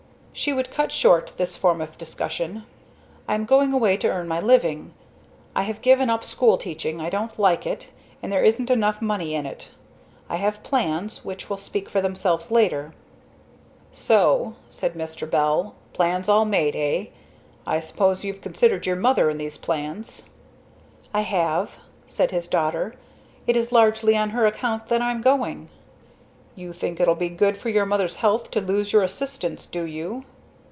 She would cut short this form of discussion: "I am going away to earn my living. I have given up school teaching I don't like it, and, there isn't money enough in it. I have plans which will speak for themselves later." "So," said Mr. Bell, "Plans all made, eh? I suppose you've considered your Mother in these plans?" "I have," said his daughter. "It is largely on her account that I'm going." "You think it'll be good for your Mother's health to lose your assistance, do you?"